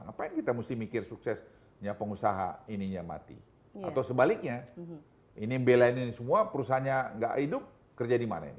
ngapain kita mesti mikir suksesnya pengusaha ininya mati atau sebaliknya ini belain ini semua perusahaannya gak hidup kerja di mana ini